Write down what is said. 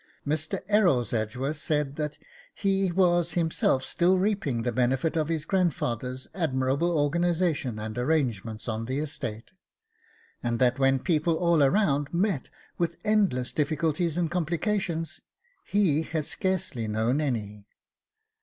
Mr. Erroles Edgeworth said that he was himself still reaping the benefit of his grandfather's admirable organisation and arrangements on the estate, and that when people all around met with endless difficulties and complications, he had scarcely known any.